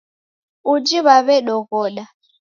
Uji w'aw'edoghoda